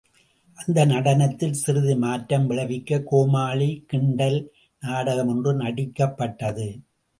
அந்த நடனத்தில் சிறிது மாற்றம் விளைவிக்கக் கோமாளிக் கிண்டல் நாடகம் ஒன்று நடிக்கப்பட்டது.